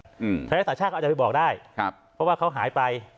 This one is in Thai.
ภรรยาศาสตร์ชาติเขาอาจจะไปบอกได้เพราะว่าเขาหายไป